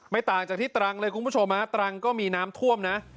ต่างจากที่ตรังเลยคุณผู้ชมฮะตรังก็มีน้ำท่วมนะ